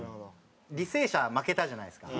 履正社は負けたじゃないですか。